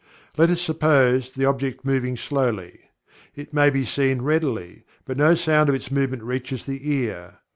Let us suppose the object moving slowly. It may be seen readily, but no sound of its movement reaches the ear.